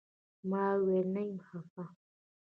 ما وويل نه يم خپه.